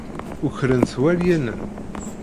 Ukren-t walyanen.